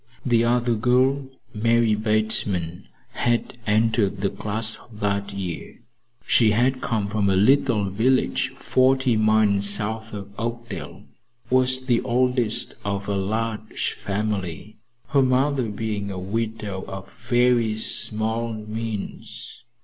The other girl, Marie Bateman, had entered the class that year. She had come from a little village forty miles south of Oakdale, was the oldest of a large family, her mother being a widow of very small means.